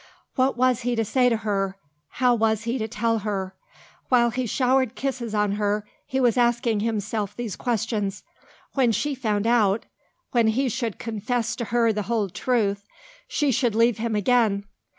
What was he to say to her? How was he to tell her? While he showered kisses on her he was asking himself these questions. When she found out when he should confess to her the whole truth she would leave him again.